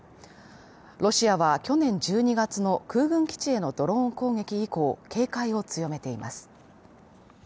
ロシアは去年１２月の空軍基地へのドローン攻撃以降、警戒を強めています。